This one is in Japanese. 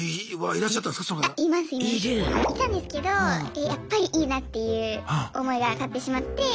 いたんですけどやっぱりいいなっていう思いが勝ってしまって。